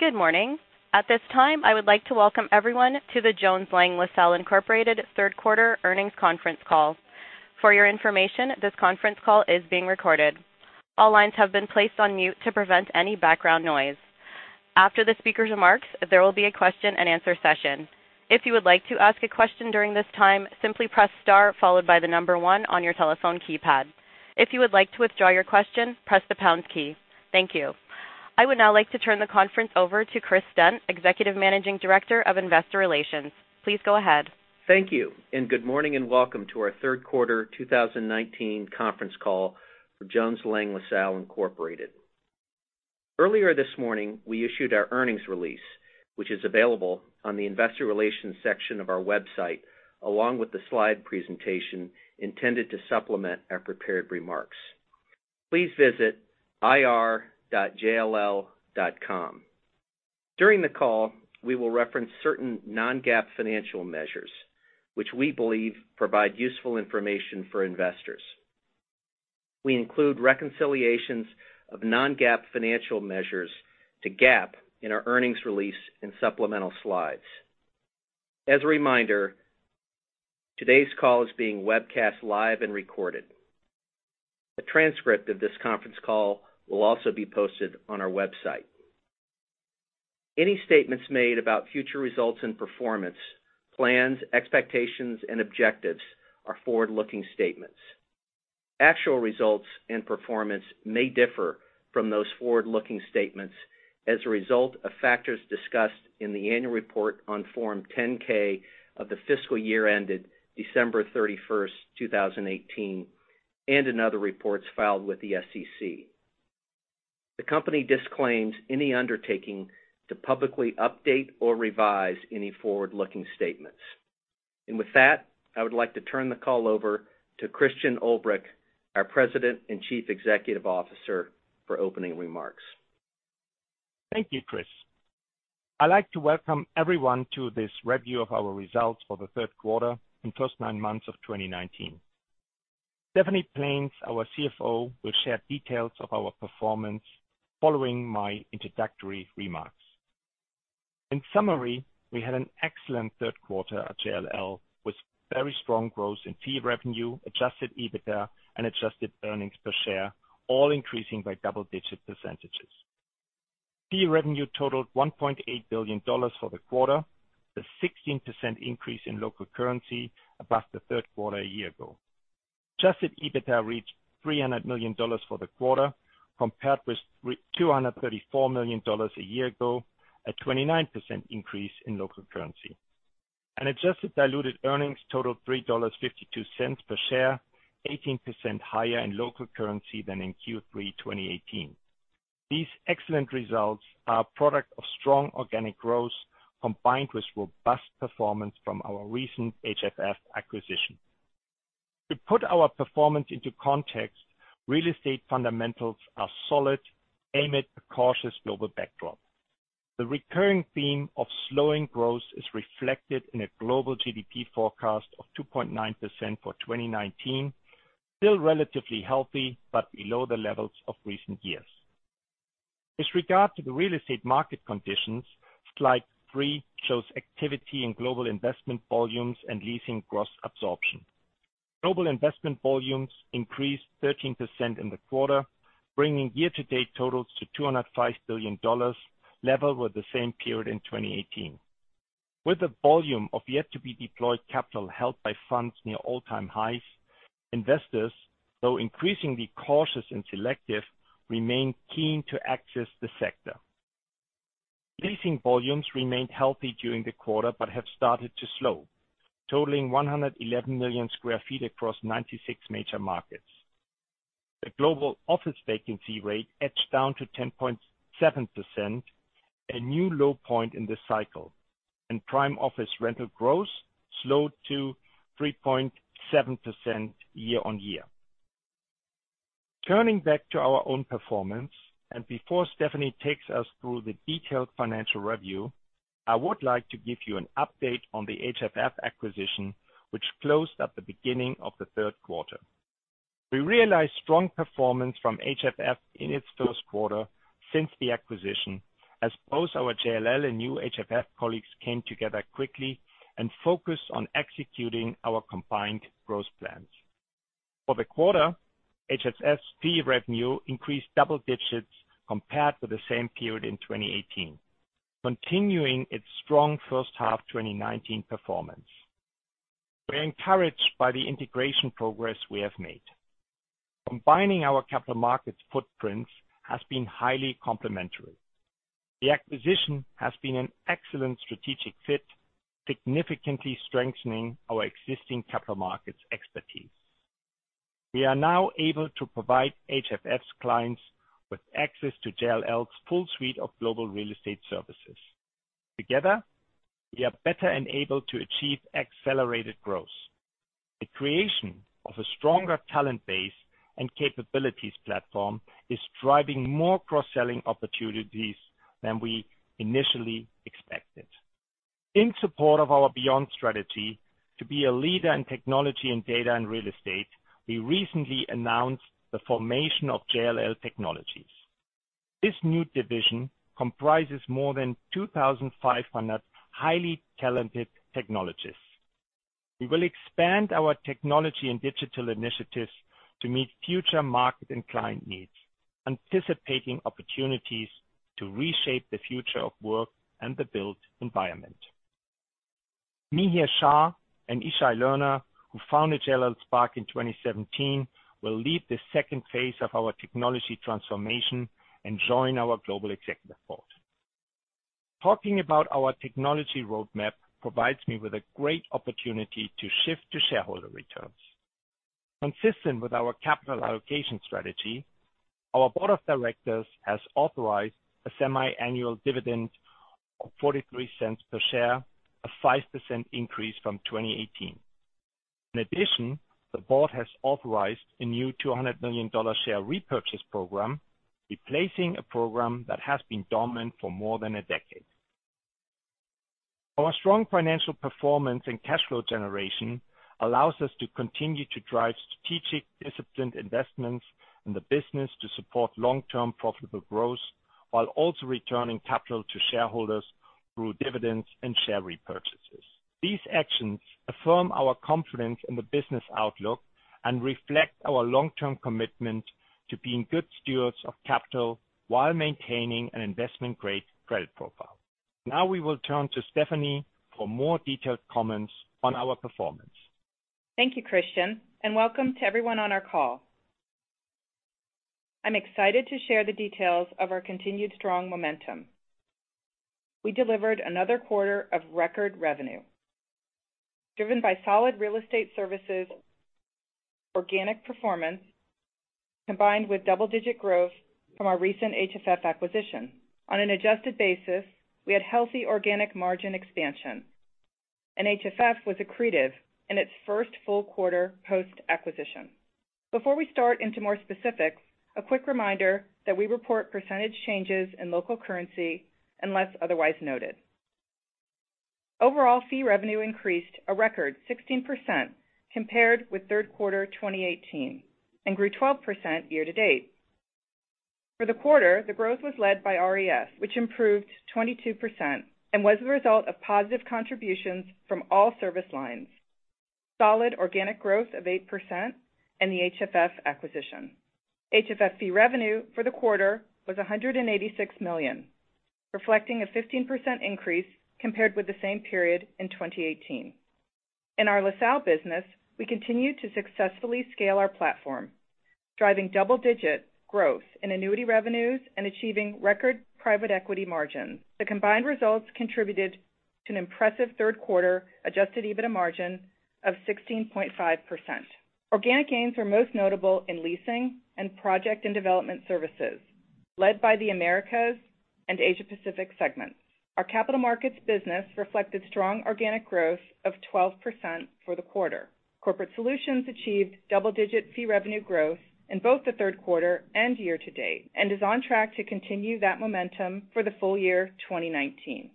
Good morning. At this time, I would like to welcome everyone to the Jones Lang LaSalle Incorporated third quarter earnings conference call. For your information, this conference call is being recorded. All lines have been placed on mute to prevent any background noise. After the speaker's remarks, there will be a question and answer session. If you would like to ask a question during this time, simply press star followed by the number 1 on your telephone keypad. If you would like to withdraw your question, press the pound key. Thank you. I would now like to turn the conference over to Chris Stent, Executive Managing Director of Investor Relations. Please go ahead. Thank you. Good morning, welcome to our third quarter 2019 conference call for Jones Lang LaSalle Incorporated. Earlier this morning, we issued our earnings release, which is available on the investor relations section of our website, along with the slide presentation intended to supplement our prepared remarks. Please visit ir.jll.com. During the call, we will reference certain non-GAAP financial measures, which we believe provide useful information for investors. We include reconciliations of non-GAAP financial measures to GAAP in our earnings release in supplemental slides. As a reminder, today's call is being webcast live and recorded. A transcript of this conference call will also be posted on our website. Any statements made about future results and performance, plans, expectations, and objectives are forward-looking statements. Actual results and performance may differ from those forward-looking statements as a result of factors discussed in the annual report on Form 10-K of the fiscal year ended December 31st, 2018, and in other reports filed with the SEC. The company disclaims any undertaking to publicly update or revise any forward-looking statements. With that, I would like to turn the call over to Christian Ulbrich, our President and Chief Executive Officer, for opening remarks. Thank you, Chris Stent. I'd like to welcome everyone to this review of our results for the third quarter and first nine months of 2019. Stephanie Plaines, our CFO, will share details of our performance following my introductory remarks. In summary, we had an excellent third quarter at JLL, with very strong growth in fee revenue, adjusted EBITDA, and adjusted earnings per share, all increasing by double-digit percentages. Fee revenue totaled $1.8 billion for the quarter, a 16% increase in local currency above the third quarter a year ago. Adjusted EBITDA reached $300 million for the quarter, compared with $234 million a year ago, a 29% increase in local currency. Adjusted diluted earnings totaled $3.52 per share, 18% higher in local currency than in Q3 2018. These excellent results are a product of strong organic growth, combined with robust performance from our recent HFF acquisition. To put our performance into context, real estate fundamentals are solid amid a cautious global backdrop. The recurring theme of slowing growth is reflected in a global GDP forecast of 2.9% for 2019, still relatively healthy, but below the levels of recent years. With regard to the real estate market conditions, slide three shows activity in global investment volumes and leasing gross absorption. Global investment volumes increased 13% in the quarter, bringing year-to-date totals to $205 billion, level with the same period in 2018. With the volume of yet-to-be-deployed capital held by funds near all-time highs, investors, though increasingly cautious and selective, remain keen to access the sector. Leasing volumes remained healthy during the quarter but have started to slow, totaling 111 million square feet across 96 major markets. The global office vacancy rate edged down to 10.7%, a new low point in this cycle, and prime office rental growth slowed to 3.7% year on year. Turning back to our own performance, and before Stephanie takes us through the detailed financial review, I would like to give you an update on the HFF acquisition, which closed at the beginning of the third quarter. We realized strong performance from HFF in its first quarter since the acquisition, as both our JLL and new HFF colleagues came together quickly and focused on executing our combined growth plans. For the quarter, HFF's fee revenue increased double digits compared to the same period in 2018, continuing its strong first half 2019 performance. We are encouraged by the integration progress we have made. Combining our capital markets footprints has been highly complementary. The acquisition has been an excellent strategic fit, significantly strengthening our existing capital markets expertise. We are now able to provide HFF's clients with access to JLL's full suite of global real estate services. Together, we are better enabled to achieve accelerated growth. The creation of a stronger talent base and capabilities platform is driving more cross-selling opportunities than we initially expected. In support of our Beyond strategy to be a leader in technology and data and real estate, we recently announced the formation of JLL Technologies. This new division comprises more than 2,500 highly talented technologists. We will expand our technology and digital initiatives to meet future market and client needs, anticipating opportunities to reshape the future of work and the built environment. Mihir Shah and Yishay Lerner, who founded JLL Spark in 2017, will lead the second phase of our technology transformation and join our global executive board. Talking about our technology roadmap provides me with a great opportunity to shift to shareholder returns. Consistent with our capital allocation strategy, our board of directors has authorized a semi-annual dividend of $0.43 per share, a 5% increase from 2018. The board has authorized a new $200 million share repurchase program, replacing a program that has been dormant for more than a decade. Our strong financial performance and cash flow generation allows us to continue to drive strategic, disciplined investments in the business to support long-term profitable growth, while also returning capital to shareholders through dividends and share repurchases. These actions affirm our confidence in the business outlook and reflect our long-term commitment to being good stewards of capital while maintaining an investment-grade credit profile. We will turn to Stephanie for more detailed comments on our performance. Thank you, Christian, and welcome to everyone on our call. I'm excited to share the details of our continued strong momentum. We delivered another quarter of record revenue, driven by solid real estate services organic performance, combined with double-digit growth from our recent HFF acquisition. On an adjusted basis, we had healthy organic margin expansion, and HFF was accretive in its first full quarter post-acquisition. Before we start into more specifics, a quick reminder that we report percentage changes in local currency, unless otherwise noted. Overall fee revenue increased a record 16% compared with third quarter 2018 and grew 12% year to date. For the quarter, the growth was led by RES, which improved 22% and was the result of positive contributions from all service lines, solid organic growth of 8%, and the HFF acquisition. HFF fee revenue for the quarter was $186 million, reflecting a 15% increase compared with the same period in 2018. In our LaSalle business, we continued to successfully scale our platform, driving double-digit growth in annuity revenues and achieving record private equity margins. The combined results contributed to an impressive third quarter adjusted EBITDA margin of 16.5%. Organic gains were most notable in leasing and project and development services, led by the Americas and Asia Pacific segments. Our capital markets business reflected strong organic growth of 12% for the quarter. Corporate solutions achieved double-digit fee revenue growth in both the third quarter and year to date and is on track to continue that momentum for the full year 2019.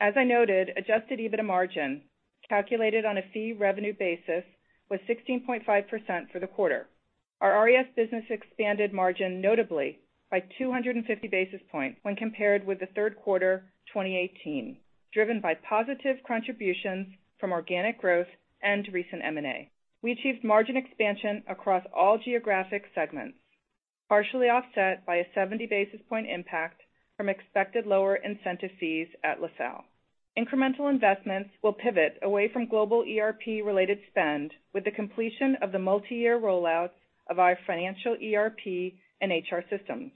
As I noted, adjusted EBITDA margin, calculated on a fee revenue basis, was 16.5% for the quarter. Our RES business expanded margin notably by 250 basis points when compared with the third quarter 2018, driven by positive contributions from organic growth and recent M&A. We achieved margin expansion across all geographic segments, partially offset by a 70 basis point impact from expected lower incentive fees at LaSalle. Incremental investments will pivot away from global ERP-related spend with the completion of the multi-year rollout of our financial ERP and HR systems.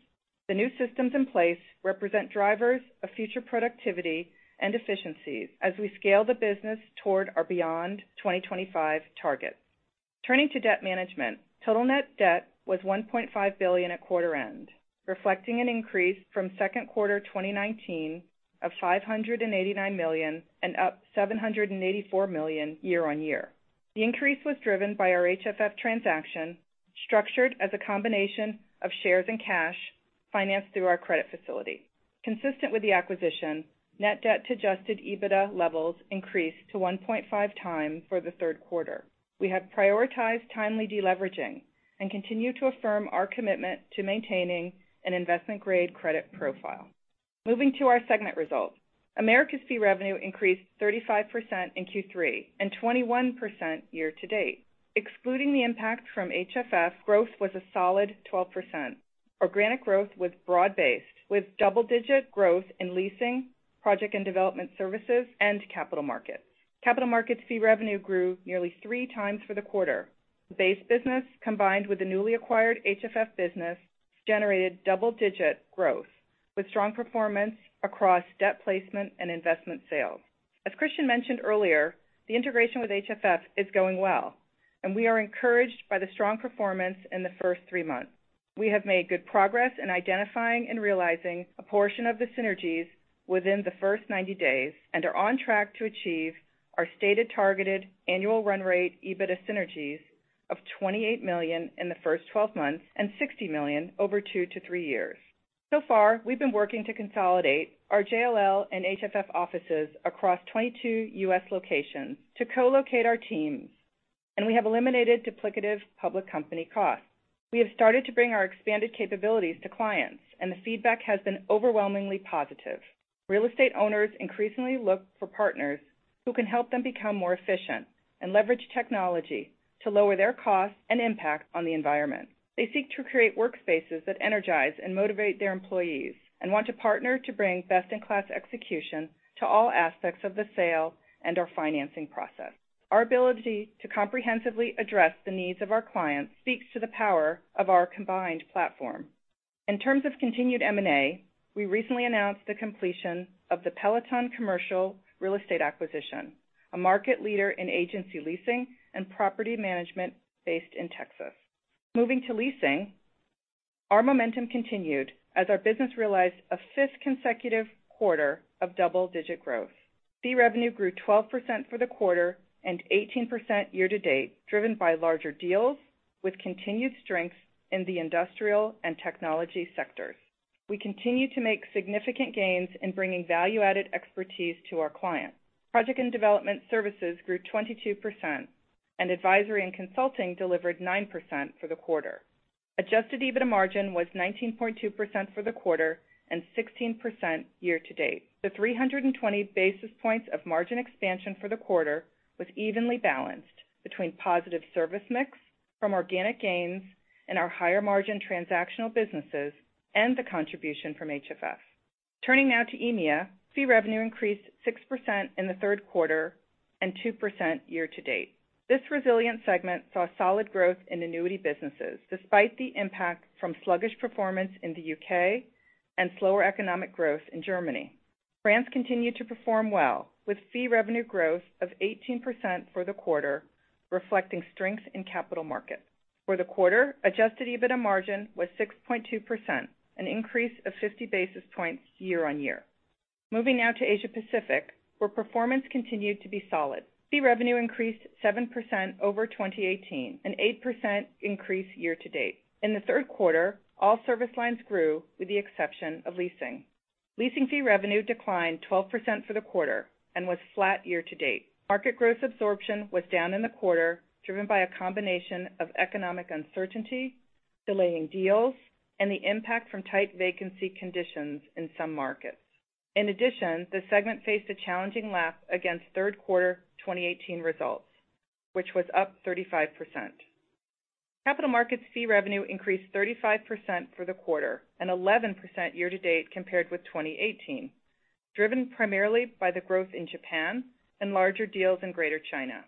The new systems in place represent drivers of future productivity and efficiencies as we scale the business toward our Beyond 2025 targets. Turning to debt management, total net debt was $1.5 billion at quarter end, reflecting an increase from second quarter 2019 of $589 million and up $784 million year-on-year. The increase was driven by our HFF transaction, structured as a combination of shares and cash financed through our credit facility. Consistent with the acquisition, net debt to adjusted EBITDA levels increased to 1.5 times for the third quarter. We have prioritized timely deleveraging and continue to affirm our commitment to maintaining an investment-grade credit profile. Moving to our segment results. Americas fee revenue increased 35% in Q3 and 21% year-to-date. Excluding the impact from HFF, growth was a solid 12%. Organic growth was broad-based with double-digit growth in leasing, Project and Development Services, and capital markets. Capital markets fee revenue grew nearly three times for the quarter. The base business, combined with the newly acquired HFF business, generated double-digit growth, with strong performance across debt placement and investment sales. As Christian mentioned earlier, the integration with HFF is going well, and we are encouraged by the strong performance in the first three months. We have made good progress in identifying and realizing a portion of the synergies within the first 90 days and are on track to achieve our stated targeted annual run rate EBITDA synergies of $28 million in the first 12 months and $60 million over two to three years. Far, we've been working to consolidate our JLL and HFF offices across 22 U.S. locations to co-locate our teams, and we have eliminated duplicative public company costs. We have started to bring our expanded capabilities to clients, and the feedback has been overwhelmingly positive. Real estate owners increasingly look for partners who can help them become more efficient and leverage technology to lower their costs and impact on the environment. They seek to create workspaces that energize and motivate their employees and want to partner to bring best-in-class execution to all aspects of the sale and/or financing process. Our ability to comprehensively address the needs of our clients speaks to the power of our combined platform. In terms of continued M&A, we recently announced the completion of the Peloton Commercial Real Estate acquisition, a market leader in agency leasing and property management based in Texas. Moving to leasing, our momentum continued as our business realized a fifth consecutive quarter of double-digit growth. Fee revenue grew 12% for the quarter and 18% year-to-date, driven by larger deals with continued strength in the industrial and technology sectors. We continue to make significant gains in bringing value-added expertise to our clients. Project and development services grew 22%, and advisory and consulting delivered 9% for the quarter. Adjusted EBITDA margin was 19.2% for the quarter and 16% year-to-date. The 320 basis points of margin expansion for the quarter was evenly balanced between positive service mix from organic gains in our higher margin transactional businesses and the contribution from HFF. Turning now to EMEA. Fee revenue increased 6% in the third quarter and 2% year-to-date. This resilient segment saw solid growth in annuity businesses, despite the impact from sluggish performance in the U.K. and slower economic growth in Germany. France continued to perform well, with fee revenue growth of 18% for the quarter, reflecting strength in capital markets. For the quarter, adjusted EBITDA margin was 6.2%, an increase of 50 basis points year-on-year. Moving now to Asia Pacific, where performance continued to be solid. Fee revenue increased 7% over 2018, an 8% increase year-to-date. In the third quarter, all service lines grew with the exception of leasing. Leasing fee revenue declined 12% for the quarter and was flat year to date. Market growth absorption was down in the quarter, driven by a combination of economic uncertainty, delaying deals, and the impact from tight vacancy conditions in some markets. In addition, the segment faced a challenging lap against third quarter 2018 results, which was up 35%. Capital markets fee revenue increased 35% for the quarter and 11% year to date compared with 2018, driven primarily by the growth in Japan and larger deals in Greater China.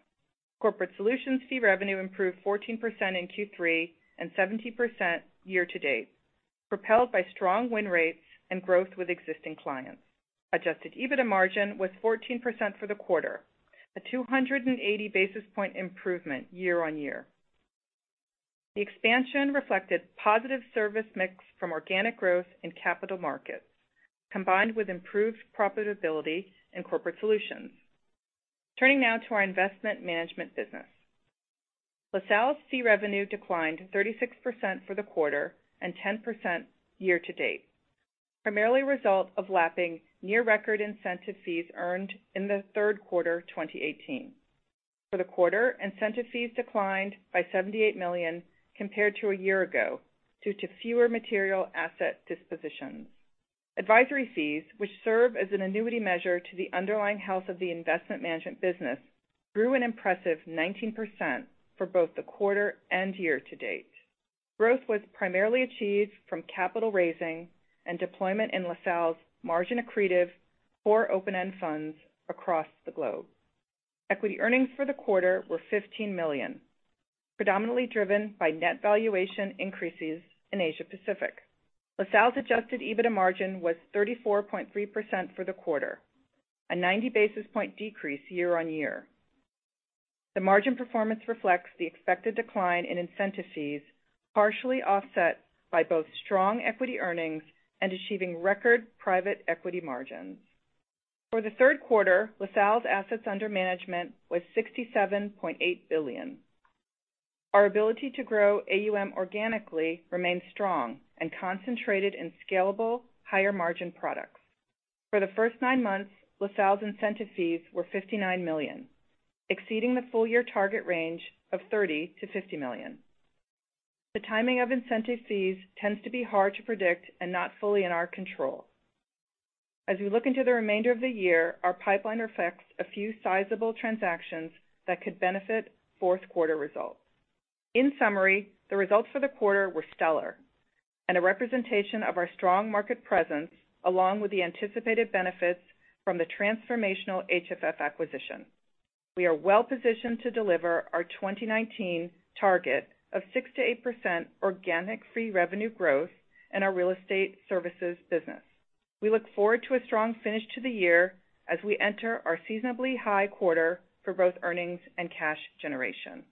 Corporate solutions fee revenue improved 14% in Q3 and 17% year to date, propelled by strong win rates and growth with existing clients. Adjusted EBITDA margin was 14% for the quarter, a 280 basis point improvement year on year. The expansion reflected positive service mix from organic growth in capital markets, combined with improved profitability in corporate solutions. Turning now to our investment management business. LaSalle's fee revenue declined 36% for the quarter and 10% year to date, primarily a result of lapping near record incentive fees earned in the third quarter 2018. For the quarter, incentive fees declined by $78 million compared to a year ago due to fewer material asset dispositions. Advisory fees, which serve as an annuity measure to the underlying health of the investment management business, grew an impressive 19% for both the quarter and year to date. Growth was primarily achieved from capital raising and deployment in LaSalle's margin accretive for open-end funds across the globe. Equity earnings for the quarter were $15 million, predominantly driven by net valuation increases in Asia Pacific. LaSalle's adjusted EBITDA margin was 34.3% for the quarter, a 90 basis point decrease year on year. The margin performance reflects the expected decline in incentive fees, partially offset by both strong equity earnings and achieving record private equity margins. For the third quarter, LaSalle's assets under management was $67.8 billion. Our ability to grow AUM organically remains strong and concentrated in scalable, higher margin products. For the first nine months, LaSalle's incentive fees were $59 million, exceeding the full year target range of $30 million-$50 million. The timing of incentive fees tends to be hard to predict and not fully in our control. As we look into the remainder of the year, our pipeline reflects a few sizable transactions that could benefit fourth quarter results. In summary, the results for the quarter were stellar and a representation of our strong market presence, along with the anticipated benefits from the transformational HFF acquisition. We are well positioned to deliver our 2019 target of 6%-8% organic fee revenue growth in our real estate services business. We look forward to a strong finish to the year as we enter our seasonably high quarter for both earnings and cash generation.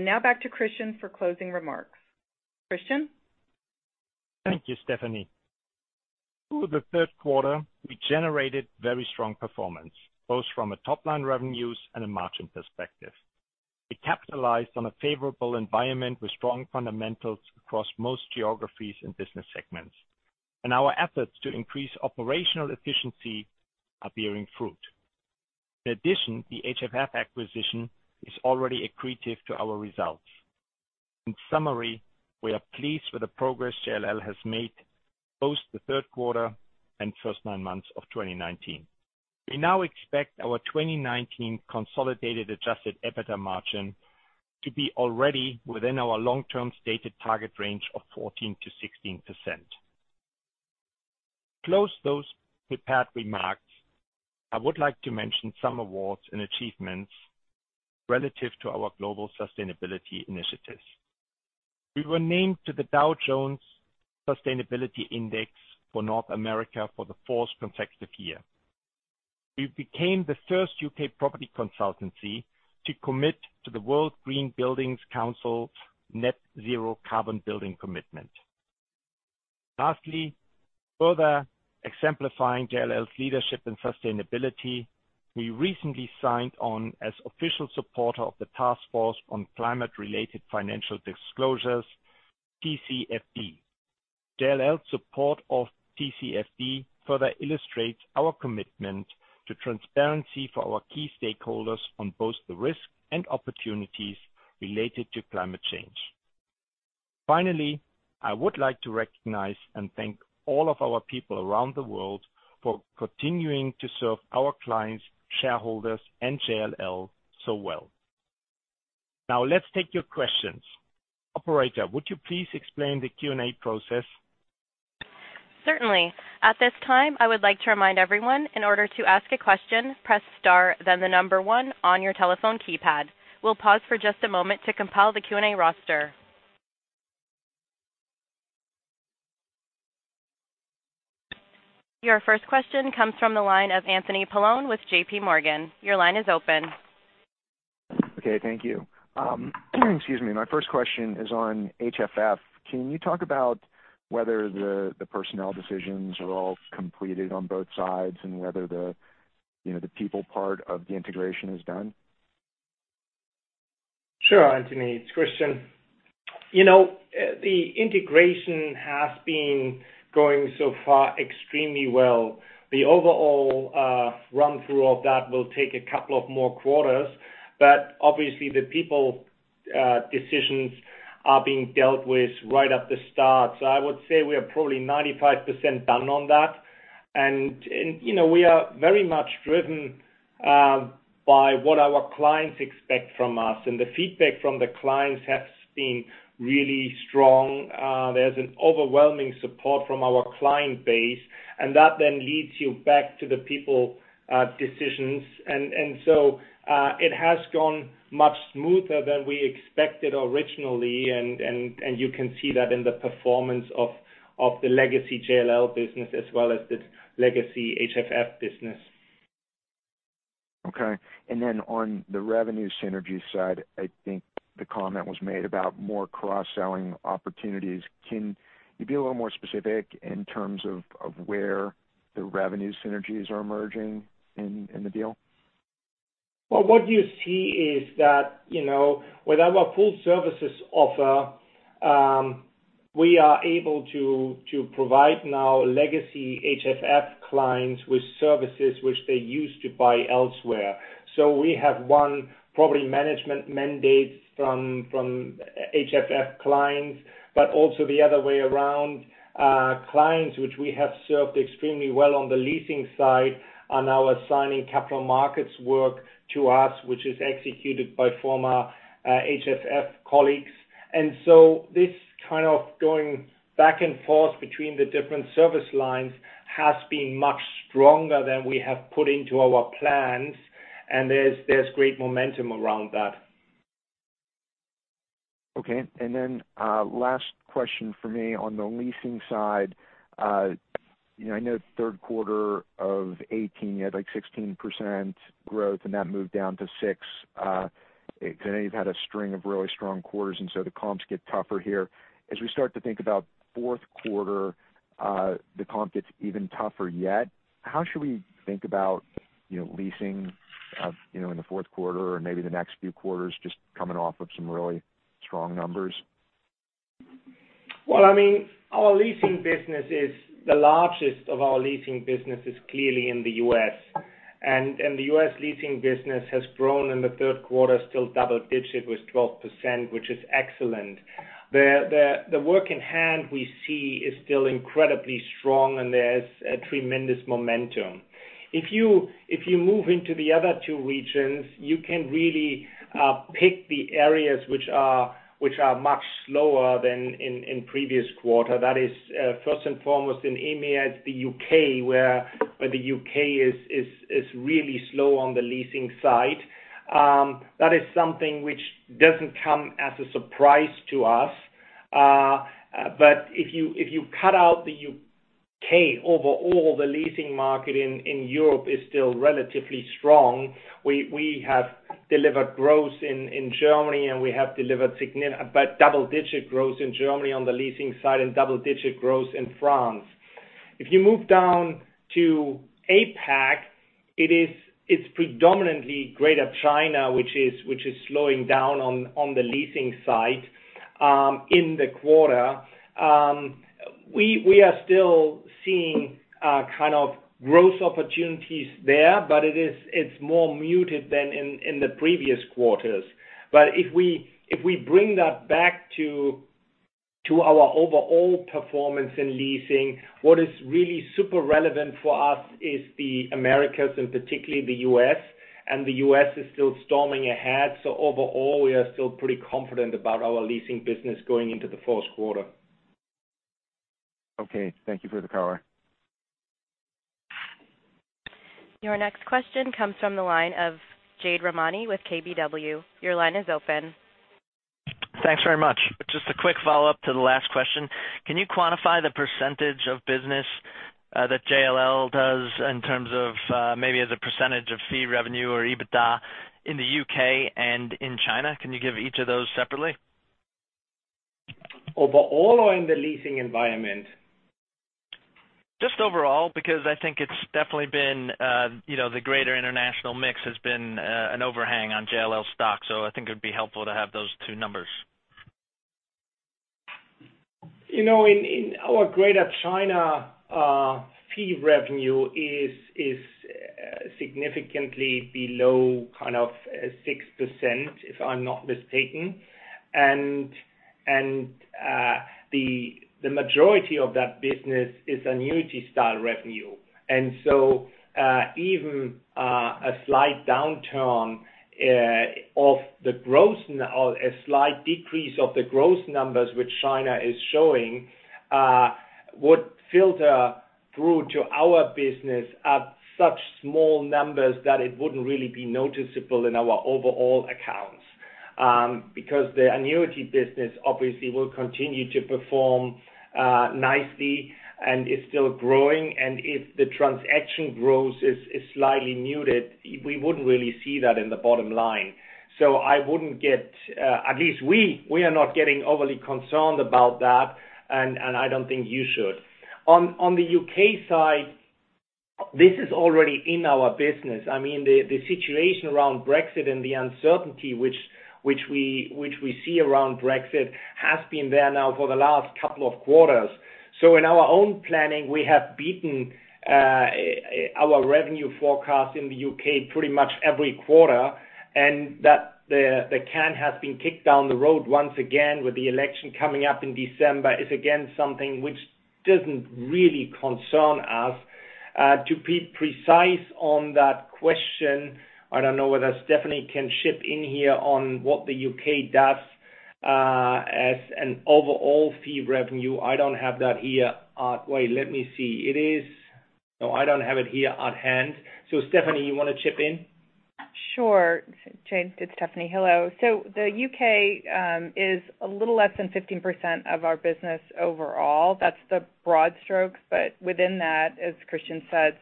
Now back to Christian for closing remarks. Christian? Thank you, Stephanie. Through the third quarter, we generated very strong performance, both from a top-line revenues and a margin perspective. We capitalized on a favorable environment with strong fundamentals across most geographies and business segments, our efforts to increase operational efficiency are bearing fruit. In addition, the HFF acquisition is already accretive to our results. In summary, we are pleased with the progress JLL has made post the third quarter and first nine months of 2019. We now expect our 2019 consolidated adjusted EBITDA margin to be already within our long-term stated target range of 14%-16%. To close those prepared remarks, I would like to mention some awards and achievements relative to our global sustainability initiatives. We were named to the Dow Jones Sustainability Index for North America for the fourth consecutive year. We became the first U.K. property consultancy to commit to the World Green Building Council's Net Zero Carbon building commitment. Further exemplifying JLL's leadership and sustainability, we recently signed on as official supporter of the Task Force on Climate-related Financial Disclosures, TCFD. JLL's support of TCFD further illustrates our commitment to transparency for our key stakeholders on both the risk and opportunities related to climate change. I would like to recognize and thank all of our people around the world for continuing to serve our clients, shareholders, and JLL so well. Let's take your questions. Operator, would you please explain the Q&A process? Certainly. At this time, I would like to remind everyone, in order to ask a question, press star, then the number one on your telephone keypad. We'll pause for just a moment to compile the Q&A roster. Your first question comes from the line of Anthony Paolone with JPMorgan. Your line is open. Okay. Thank you. Excuse me. My first question is on HFF. Can you talk about whether the personnel decisions are all completed on both sides and whether the people part of the integration is done? Sure, Anthony. It's Christian. The integration has been going so far extremely well. The overall run through of that will take a couple of more quarters, but obviously the people decisions are being dealt with right at the start. I would say we are probably 95% done on that. We are very much driven by what our clients expect from us, and the feedback from the clients has been really strong. There's an overwhelming support from our client base, and that then leads you back to the people decisions. It has gone much smoother than we expected originally, and you can see that in the performance of the legacy JLL business as well as the legacy HFF business. Okay. On the revenue synergy side, I think the comment was made about more cross-selling opportunities. Can you be a little more specific in terms of where the revenue synergies are emerging in the deal? Well, what you see is that, with our full services offer, we are able to provide now legacy HFF clients with services which they used to buy elsewhere. So we have won property management mandates from HFF clients, but also the other way around. Clients which we have served extremely well on the leasing side are now assigning capital markets work to us, which is executed by former HFF colleagues. And so this kind of going back and forth between the different service lines has been much stronger than we have put into our plans, and there's great momentum around that. Okay. Then, last question from me. On the leasing side, I know third quarter of 2018, you had 16% growth and that moved down to 6%. Then you've had a string of really strong quarters, and so the comps get tougher here. As we start to think about fourth quarter, the comp gets even tougher yet. How should we think about leasing in the fourth quarter or maybe the next few quarters, just coming off of some really strong numbers? Well, our leasing business is the largest of our leasing businesses, clearly in the U.S. The U.S. leasing business has grown in the third quarter, still double digit with 12%, which is excellent. The work in hand we see is still incredibly strong and there's a tremendous momentum. If you move into the other two regions, you can really pick the areas which are much slower than in previous quarter. That is first and foremost in EMEA, it's the U.K., where the U.K. is really slow on the leasing side. That is something which doesn't come as a surprise to us. If you cut out the U.K., overall the leasing market in Europe is still relatively strong. We have delivered growth in Germany. We have delivered double-digit growth in Germany on the leasing side and double-digit growth in France. If you move down to APAC, it's predominantly Greater China, which is slowing down on the leasing side in the quarter. We are still seeing kind of growth opportunities there, but it's more muted than in the previous quarters. If we bring that back to our overall performance in leasing, what is really super relevant for us is the Americas and particularly the U.S. The U.S. is still storming ahead. Overall, we are still pretty confident about our leasing business going into the fourth quarter. Okay. Thank you for the color. Your next question comes from the line of Jade Rahmani with KBW. Your line is open. Thanks very much. Just a quick follow-up to the last question. Can you quantify the % of business that JLL does in terms of maybe as a % of fee revenue or EBITDA in the U.K. and in China? Can you give each of those separately? Overall or in the leasing environment? Just overall, because I think it's definitely been the greater international mix has been an overhang on JLL stock. I think it'd be helpful to have those two numbers. In our Greater China, fee revenue is significantly below 6%, if I'm not mistaken. The majority of that business is annuity-style revenue. Even a slight decrease of the gross numbers which China is showing, would filter through to our business at such small numbers that it wouldn't really be noticeable in our overall accounts. The annuity business obviously will continue to perform nicely and is still growing. If the transaction growth is slightly muted, we wouldn't really see that in the bottom line. At least we are not getting overly concerned about that, and I don't think you should. On the U.K. side, this is already in our business. I mean, the situation around Brexit and the uncertainty which we see around Brexit has been there now for the last couple of quarters. In our own planning, we have beaten our revenue forecast in the U.K. pretty much every quarter, and the can has been kicked down the road once again with the election coming up in December, is again something which doesn't really concern us. To be precise on that question, I don't know whether Stephanie can chip in here on what the U.K. does, as an overall fee revenue. I don't have that here. Wait, let me see. No, I don't have it here at hand. Stephanie, you want to chip in? Sure. Jade, it's Stephanie. Hello. The U.K. is a little less than 15% of our business overall. That's the broad strokes. Within that, as Christian said,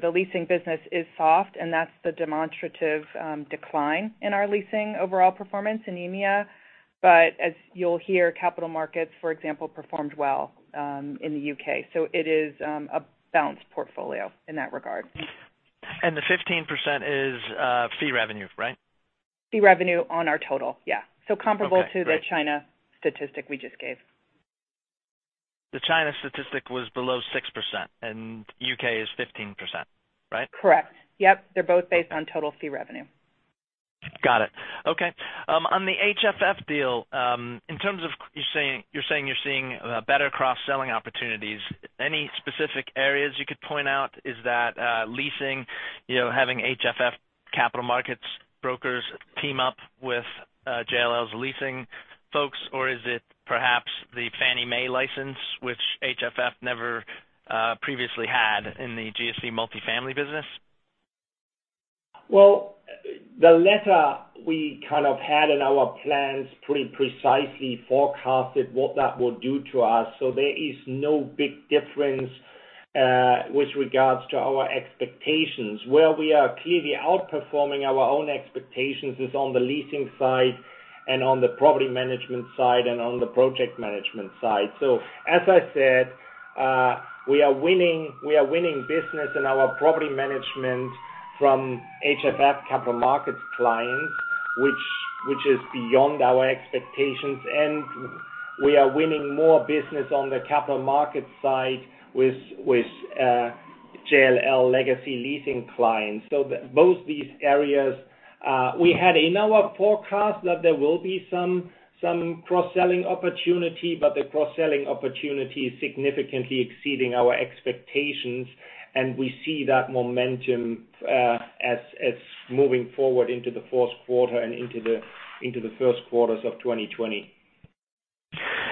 the leasing business is soft, and that's the demonstrative decline in our leasing overall performance in EMEA. As you'll hear, capital markets, for example, performed well in the U.K. It is a balanced portfolio in that regard. The 15% is fee revenue, right? Fee revenue on our total, yeah. Okay, great. Comparable to the China statistic we just gave. The China statistic was below 6% and U.K. is 15%, right? Correct. Yep. They're both based on total fee revenue. Got it. Okay. On the HFF deal, in terms of you're saying you're seeing better cross-selling opportunities. Any specific areas you could point out? Is that leasing, having HFF capital markets brokers team up with JLL's leasing folks, or is it perhaps the Fannie Mae license, which HFF never previously had in the GSE multifamily business? The letter we kind of had in our plans pretty precisely forecasted what that will do to us. There is no big difference with regards to our expectations. Where we are clearly outperforming our own expectations is on the leasing side and on the property management side and on the project management side. As I said, we are winning business in our property management from HFF capital markets clients, which is beyond our expectations, and we are winning more business on the capital markets side with JLL legacy leasing clients. Both these areas, we had in our forecast that there will be some cross-selling opportunity, but the cross-selling opportunity is significantly exceeding our expectations, and we see that momentum as moving forward into the fourth quarter and into the first quarters of 2020.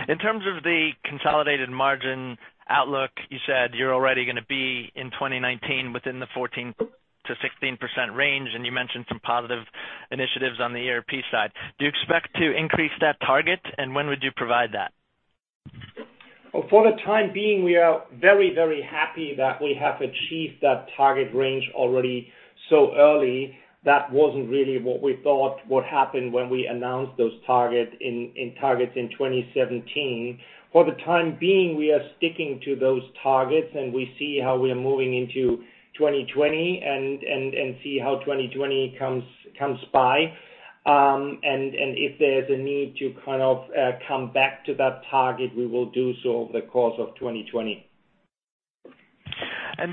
In terms of the consolidated margin outlook, you said you're already gonna be in 2019 within the 14%-16% range, and you mentioned some positive initiatives on the ERP side. Do you expect to increase that target? When would you provide that? Well, for the time being, we are very happy that we have achieved that target range already so early. That wasn't really what we thought would happen when we announced those targets in 2017. For the time being, we are sticking to those targets, and we see how we are moving into 2020 and see how 2020 comes by. If there's a need to kind of come back to that target, we will do so over the course of 2020.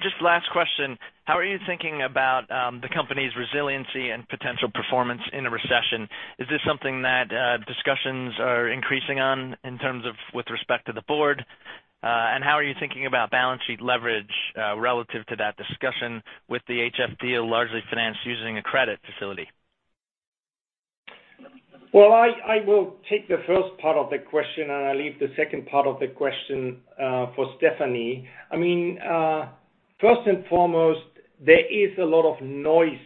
Just last question, how are you thinking about the company's resiliency and potential performance in a recession? Is this something that discussions are increasing on in terms of, with respect to the board? How are you thinking about balance sheet leverage relative to that discussion with the HFF deal largely financed using a credit facility? Well, I will take the first part of the question, and I leave the second part of the question for Stephanie. First and foremost, there is a lot of noise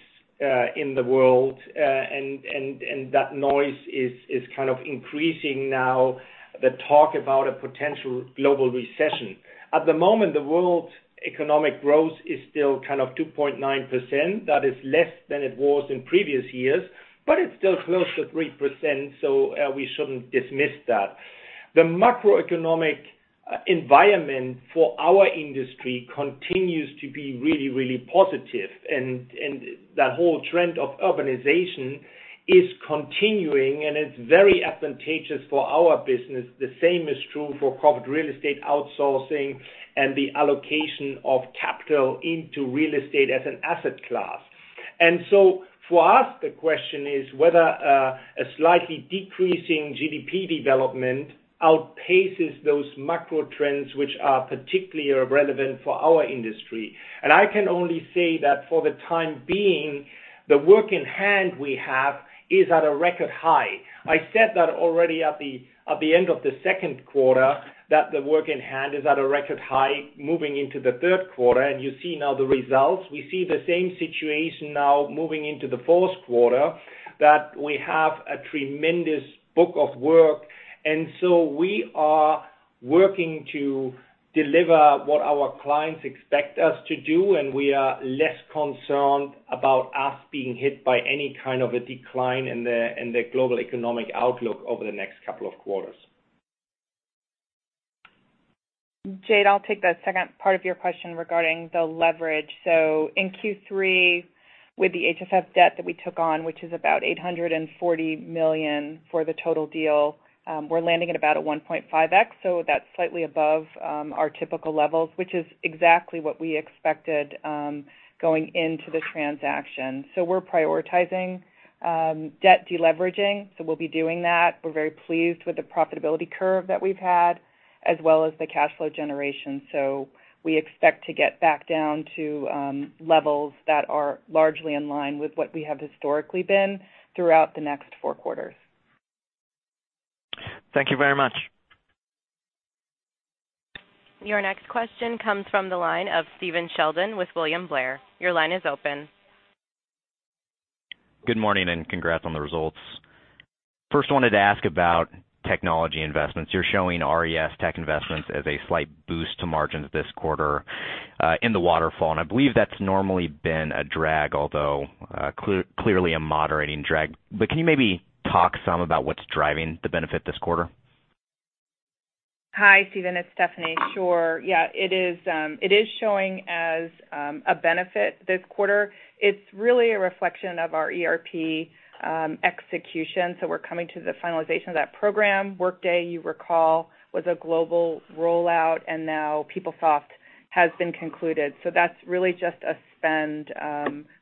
in the world, and that noise is kind of increasing now, the talk about a potential global recession. At the moment, the world's economic growth is still kind of 2.9%. That is less than it was in previous years, but it's still close to 3%, so we shouldn't dismiss that. The macroeconomic environment for our industry continues to be really positive. That whole trend of urbanization is continuing, and it's very advantageous for our business. The same is true for corporate real estate outsourcing and the allocation of capital into real estate as an asset class. For us, the question is whether a slightly decreasing GDP development outpaces those macro trends, which are particularly relevant for our industry. I can only say that for the time being, the work in hand we have is at a record high. I said that already at the end of the second quarter that the work in hand is at a record high moving into the third quarter, and you see now the results. We see the same situation now moving into the fourth quarter, that we have a tremendous book of work. We are working to deliver what our clients expect us to do, and we are less concerned about us being hit by any kind of a decline in the global economic outlook over the next couple of quarters. Jade, I'll take the second part of your question regarding the leverage. In Q3 with the HFF debt that we took on, which is about $840 million for the total deal, we're landing at about a 1.5x, so that's slightly above our typical levels, which is exactly what we expected going into the transaction. We're prioritizing debt deleveraging, so we'll be doing that. We're very pleased with the profitability curve that we've had as well as the cash flow generation. We expect to get back down to levels that are largely in line with what we have historically been throughout the next four quarters. Thank you very much. Your next question comes from the line of Stephen Sheldon with William Blair. Your line is open. Good morning and congrats on the results. First, I wanted to ask about technology investments. You're showing RES tech investments as a slight boost to margins this quarter in the waterfall, and I believe that's normally been a drag, although clearly a moderating drag. Can you maybe talk some about what's driving the benefit this quarter? Hi, Stephen, it's Stephanie. Sure. Yeah, it is showing as a benefit this quarter. It's really a reflection of our ERP execution. We're coming to the finalization of that program. Workday, you recall, was a global rollout, and now PeopleSoft has been concluded. That's really just a spend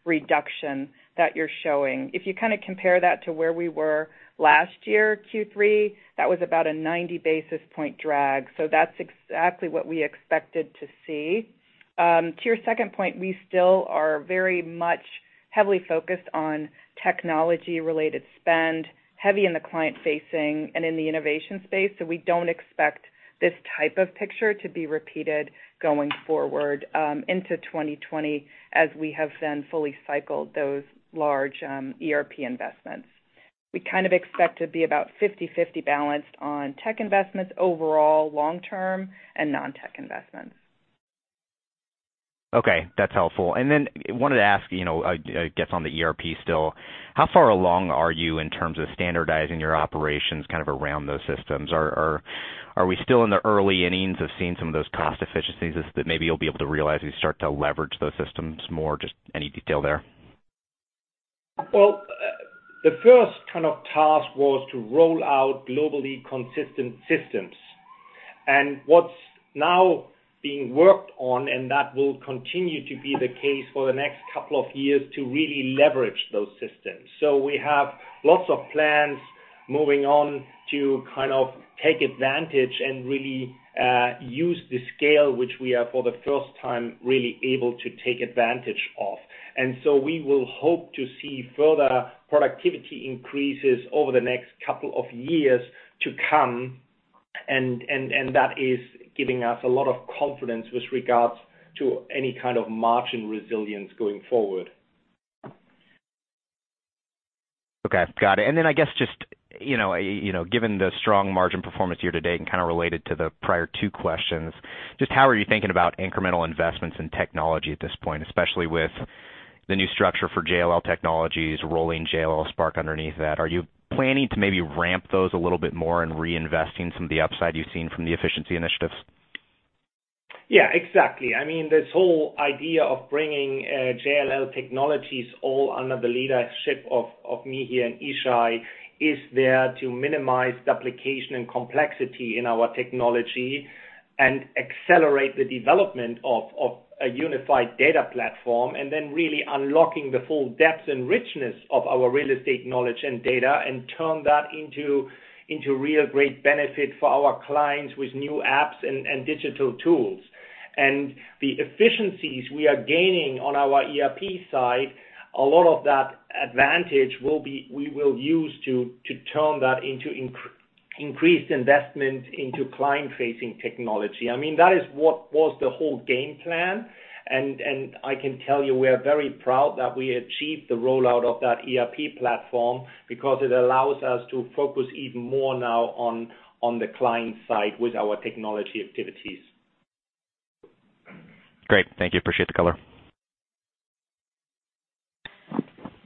reduction that you're showing. If you kind of compare that to where we were last year, Q3, that was about a 90 basis point drag. That's exactly what we expected to see. To your second point, we still are very much heavily focused on technology-related spend, heavy in the client-facing and in the innovation space. We don't expect this type of picture to be repeated going forward into 2020 as we have then fully cycled those large ERP investments. We kind of expect to be about 50/50 balanced on tech investments overall long term and non-tech investments. Okay. That's helpful. Wanted to ask, I guess on the ERP still, how far along are you in terms of standardizing your operations kind of around those systems? Are we still in the early innings of seeing some of those cost efficiencies that maybe you'll be able to realize as you start to leverage those systems more? Just any detail there? Well, the first kind of task was to roll out globally consistent systems and what's now being worked on, and that will continue to be the case for the next couple of years, to really leverage those systems. We have lots of plans moving on to kind of take advantage and really use the scale which we are for the first time really able to take advantage of. We will hope to see further productivity increases over the next couple of years to come, and that is giving us a lot of confidence with regards to any kind of margin resilience going forward. Okay. Got it. I guess just, given the strong margin performance year to date and kind of related to the prior two questions, just how are you thinking about incremental investments in technology at this point, especially with the new structure for JLL Technologies rolling JLL Spark underneath that? Are you planning to maybe ramp those a little bit more and reinvesting some of the upside you've seen from the efficiency initiatives? Yeah, exactly. I mean, this whole idea of bringing JLL Technologies all under the leadership of Mihir and Yishay is there to minimize duplication and complexity in our technology and accelerate the development of a unified data platform, and then really unlocking the full depth and richness of our real estate knowledge and data, and turn that into real great benefit for our clients with new apps and digital tools. The efficiencies we are gaining on our ERP side, a lot of that advantage we will use to turn that into increased investment into client-facing technology. That is what was the whole game plan, and I can tell you we are very proud that we achieved the rollout of that ERP platform because it allows us to focus even more now on the client side with our technology activities. Great. Thank you. Appreciate the color.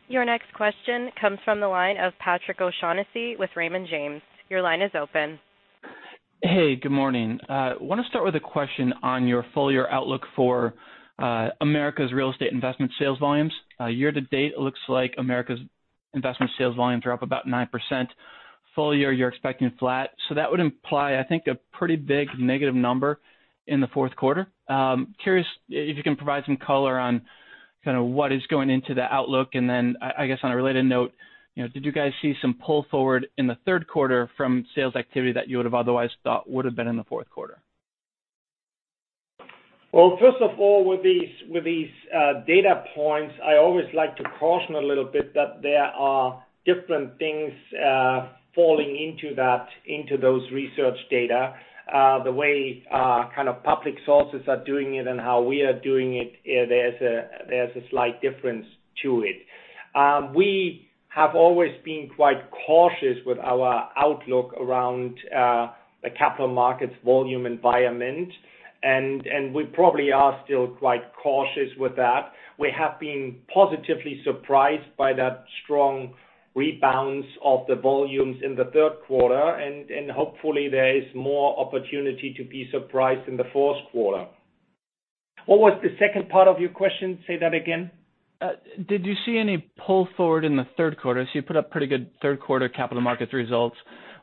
Your next question comes from the line of Patrick O'Shaughnessy with Raymond James. Your line is open. Hey, good morning. I want to start with a question on your full-year outlook for America's real estate investment sales volumes. Year to date, it looks like America's investment sales volumes are up about 9%. Full year, you're expecting flat. That would imply, I think, a pretty big negative number in the fourth quarter. Curious if you can provide some color on what is going into the outlook, and then, I guess on a related note, did you guys see some pull forward in the third quarter from sales activity that you would have otherwise thought would have been in the fourth quarter? Well, first of all, with these data points, I always like to caution a little bit that there are different things falling into those research data. The way public sources are doing it and how we are doing it, there's a slight difference to it. We have always been quite cautious with our outlook around the capital markets volume environment, and we probably are still quite cautious with that. We have been positively surprised by that strong rebalance of the volumes in the third quarter, and hopefully, there is more opportunity to be surprised in the fourth quarter. What was the second part of your question? Say that again. Did you see any pull forward in the third quarter? You put up pretty good third-quarter capital markets results.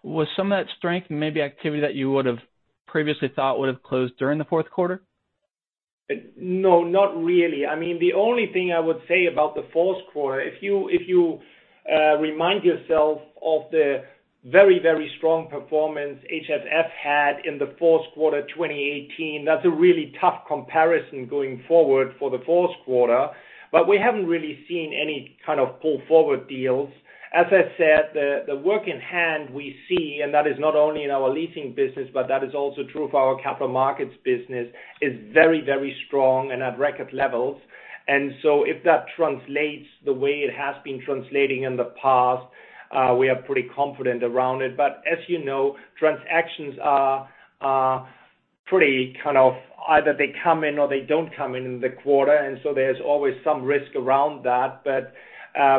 Was some of that strength maybe activity that you would have previously thought would have closed during the fourth quarter? No, not really. The only thing I would say about the fourth quarter, if you remind yourself of the very, very strong performance HFF had in the fourth quarter 2018, that's a really tough comparison going forward for the fourth quarter. We haven't really seen any kind of pull forward deals. As I said, the work in hand we see, and that is not only in our leasing business, but that is also true for our capital markets business, is very, very strong and at record levels. If that translates the way it has been translating in the past, we are pretty confident around it. As you know, transactions are pretty kind of either they come in or they don't come in in the quarter. There's always some risk around that.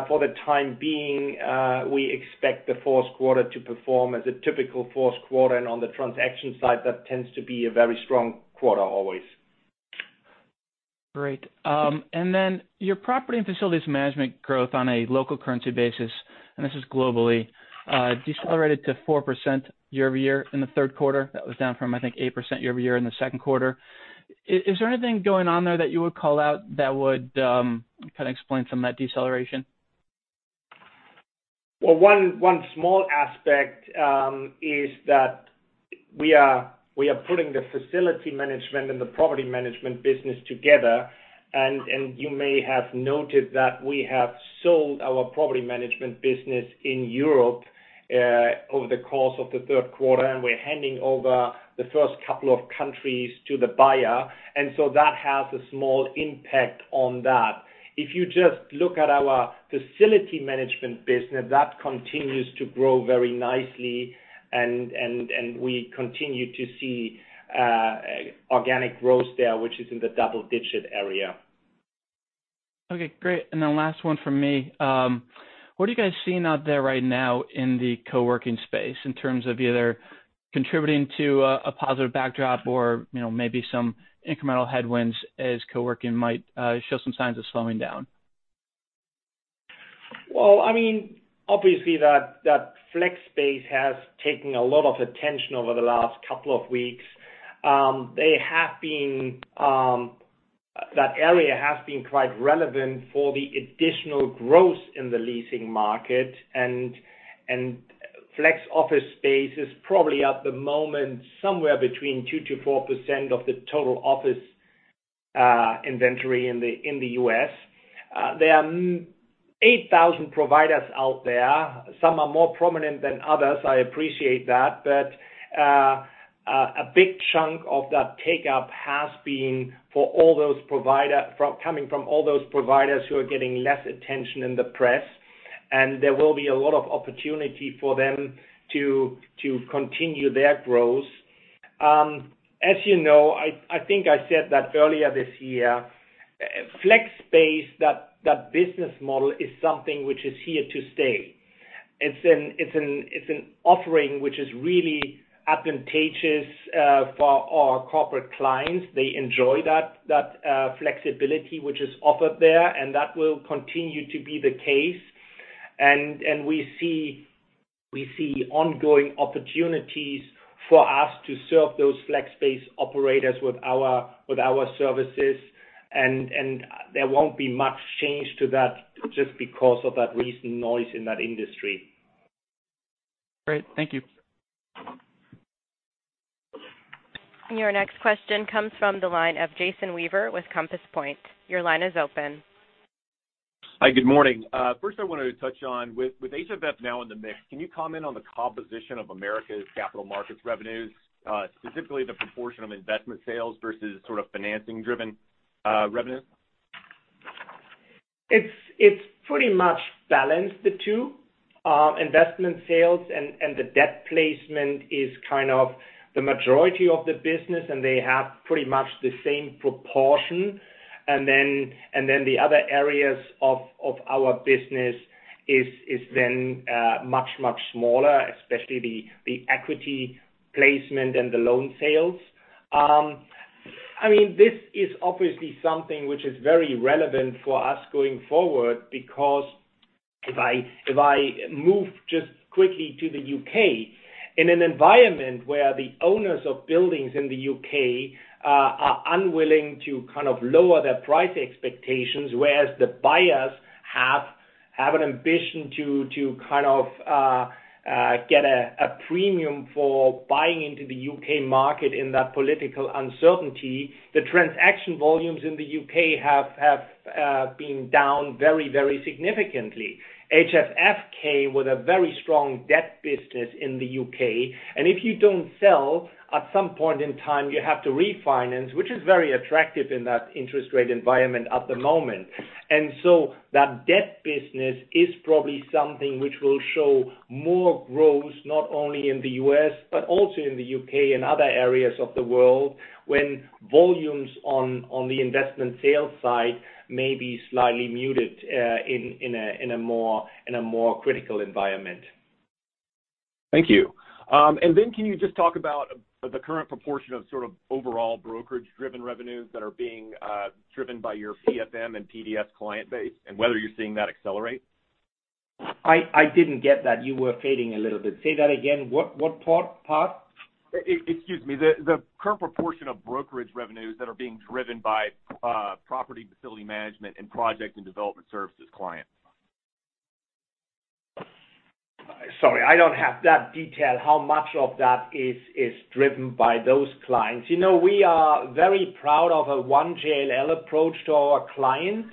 For the time being, we expect the fourth quarter to perform as a typical fourth quarter. On the transaction side, that tends to be a very strong quarter always. Great. Your property and facilities management growth on a local currency basis, and this is globally, decelerated to 4% year-over-year in the third quarter. That was down from, I think 8% year-over-year in the second quarter. Is there anything going on there that you would call out that would kind of explain some of that deceleration? Well, one small aspect is that we are putting the facility management and the property management business together. You may have noted that we have sold our property management business in Europe over the course of the third quarter, and we're handing over the first couple of countries to the buyer. That has a small impact on that. If you just look at our facility management business, that continues to grow very nicely, and we continue to see organic growth there, which is in the double-digit area. Okay, great. Last one from me. What are you guys seeing out there right now in the co-working space in terms of either contributing to a positive backdrop or maybe some incremental headwinds as co-working might show some signs of slowing down? Well, obviously that flex space has taken a lot of attention over the last couple of weeks. That area has been quite relevant for the additional growth in the leasing market, and flex office space is probably, at the moment, somewhere between 2% to 4% of the total office inventory in the U.S. There are 8,000 providers out there. Some are more prominent than others, I appreciate that. A big chunk of that take up has been coming from all those providers who are getting less attention in the press, and there will be a lot of opportunity for them to continue their growth. As you know, I think I said that earlier this year, flex space, that business model is something which is here to stay. It's an offering which is really advantageous for our corporate clients. They enjoy that flexibility which is offered there, and that will continue to be the case. We see ongoing opportunities for us to serve those flex space operators with our services, and there won't be much change to that just because of that recent noise in that industry. Great. Thank you. Your next question comes from the line of Jason Weaver with Compass Point. Your line is open. Hi, good morning. First I wanted to touch on, with HFF now in the mix, can you comment on the composition of America's capital markets revenues, specifically the proportion of investment sales versus sort of financing-driven revenues? It's pretty much balanced, the two. Investment sales and the debt placement is kind of the majority of the business, and they have pretty much the same proportion. The other areas of our business is then much, much smaller, especially the equity placement and the loan sales. This is obviously something which is very relevant for us going forward, because if I move just quickly to the U.K., in an environment where the owners of buildings in the U.K. are unwilling to kind of lower their price expectations, whereas the buyers have an ambition to kind of get a premium for buying into the U.K. market in that political uncertainty, the transaction volumes in the U.K. have been down very, very significantly. HFF came with a very strong debt business in the U.K. If you don't sell, at some point in time, you have to refinance, which is very attractive in that interest rate environment at the moment. That debt business is probably something which will show more growth, not only in the U.S., but also in the U.K. and other areas of the world, when volumes on the investment sales side may be slightly muted in a more critical environment. Thank you. Then can you just talk about the current proportion of sort of overall brokerage-driven revenues that are being driven by your PFM and PDS client base, and whether you're seeing that accelerate? I didn't get that. You were fading a little bit. Say that again. What part? Excuse me. The current proportion of brokerage revenues that are being driven by property facility management and project and development services clients. Sorry, I don't have that detail, how much of that is driven by those clients. We are very proud of a one JLL approach to our clients,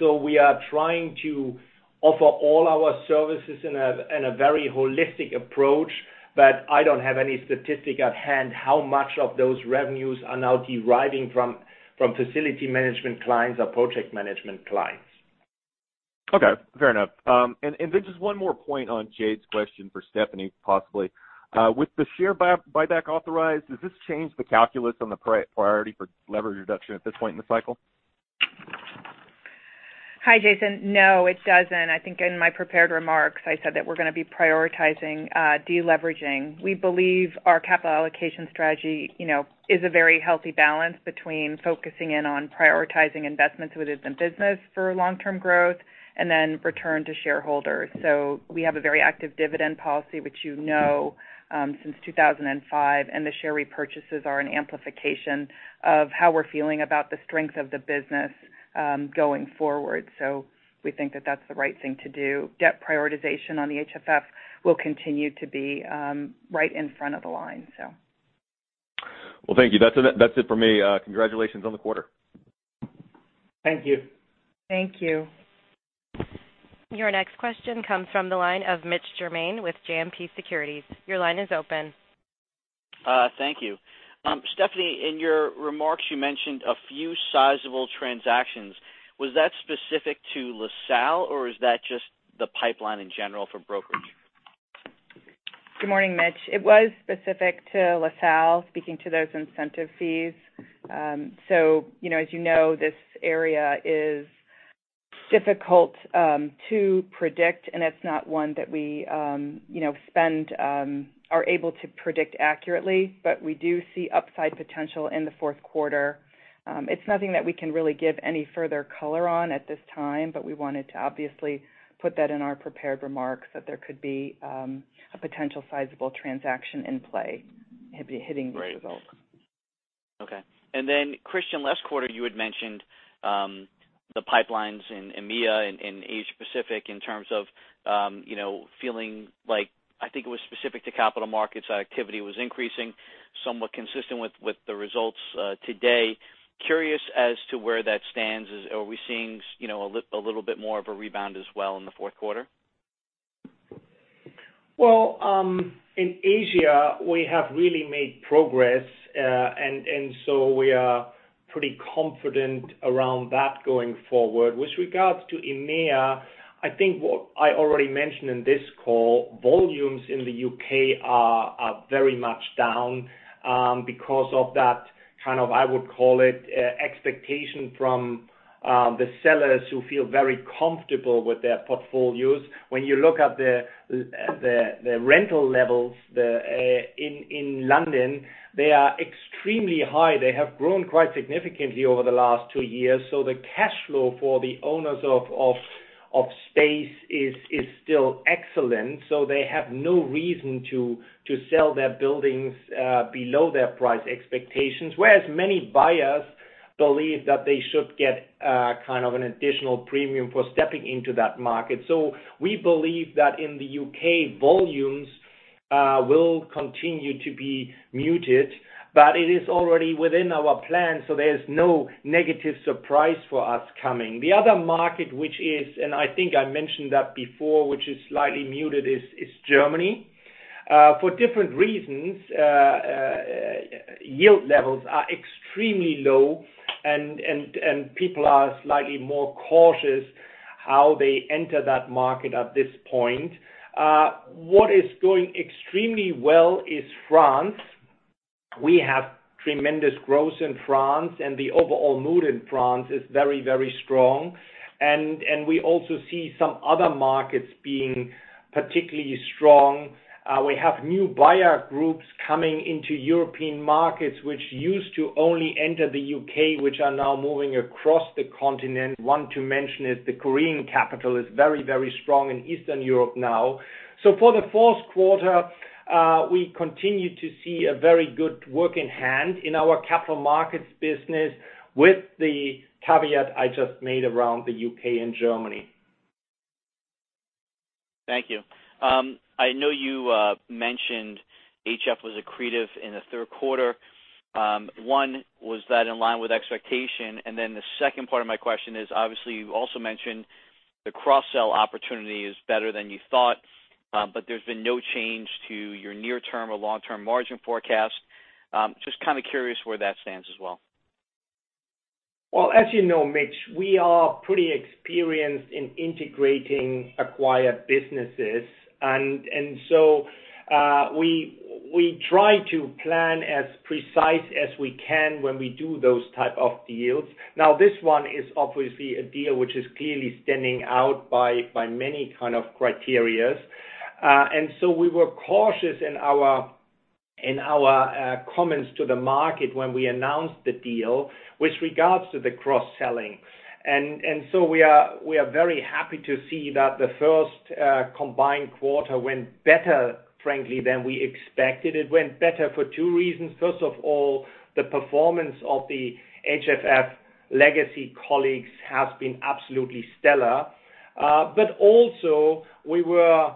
we are trying to offer all our services in a very holistic approach. I don't have any statistic at hand how much of those revenues are now deriving from facility management clients or project management clients. Okay. Fair enough. Then just one more point on Jade's question for Stephanie, possibly. With the share buyback authorized, does this change the calculus on the priority for leverage reduction at this point in the cycle? Hi, Jason. No, it doesn't. I think in my prepared remarks, I said that we're going to be prioritizing deleveraging. We believe our capital allocation strategy is a very healthy balance between focusing in on prioritizing investments within business for long-term growth and then return to shareholders. We have a very active dividend policy, which you know, since 2005, and the share repurchases are an amplification of how we're feeling about the strength of the business going forward. We think that that's the right thing to do. Debt prioritization on the HFF will continue to be right in front of the line, so. Well, thank you. That's it for me. Congratulations on the quarter. Thank you. Thank you. Your next question comes from the line of Mitch Germain with JMP Securities. Your line is open. Thank you. Stephanie, in your remarks, you mentioned a few sizable transactions. Was that specific to LaSalle, or is that just the pipeline in general for brokerage? Good morning, Mitch. It was specific to LaSalle, speaking to those incentive fees. As you know, this area is difficult to predict, and it's not one that we are able to predict accurately, but we do see upside potential in the fourth quarter. It's nothing that we can really give any further color on at this time, but we wanted to obviously put that in our prepared remarks that there could be a potential sizable transaction in play hitting these results. Right. Okay. Christian, last quarter, you had mentioned the pipelines in EMEA and Asia Pacific in terms of feeling like, I think it was specific to capital markets activity was increasing somewhat consistent with the results today. Curious as to where that stands. Are we seeing a little bit more of a rebound as well in the fourth quarter? Well, in Asia, we have really made progress. We are pretty confident around that going forward. With regards to EMEA, I think what I already mentioned in this call, volumes in the U.K. are very much down because of that, I would call it, expectation from the sellers who feel very comfortable with their portfolios. When you look at the rental levels in London, they are extremely high. They have grown quite significantly over the last two years. The cash flow for the owners of space is still excellent, so they have no reason to sell their buildings below their price expectations. Whereas many buyers believe that they should get an additional premium for stepping into that market. We believe that in the U.K., volumes will continue to be muted, but it is already within our plan, so there's no negative surprise for us coming. The other market, and I think I mentioned that before, which is slightly muted, is Germany. For different reasons, yield levels are extremely low, and people are slightly more cautious how they enter that market at this point. What is going extremely well is France. We have tremendous growth in France, and the overall mood in France is very strong. We also see some other markets being particularly strong. We have new buyer groups coming into European markets, which used to only enter the U.K., which are now moving across the continent. One to mention is the Korean capital is very strong in Eastern Europe now. For the fourth quarter, we continue to see a very good work in hand in our capital markets business with the caveat I just made around the U.K. and Germany. Thank you. I know you mentioned HFF was accretive in the third quarter. Was that in line with expectation? The second part of my question is, obviously, you also mentioned the cross-sell opportunity is better than you thought, but there's been no change to your near-term or long-term margin forecast. Just kind of curious where that stands as well. Well, as you know, Mitch, we are pretty experienced in integrating acquired businesses. We try to plan as precise as we can when we do those type of deals. Now, this one is obviously a deal which is clearly standing out by many criteria. We were cautious in our comments to the market when we announced the deal with regards to the cross-selling. We are very happy to see that the first combined quarter went better, frankly, than we expected. It went better for two reasons. First of all, the performance of the HFF legacy colleagues has been absolutely stellar. Also we were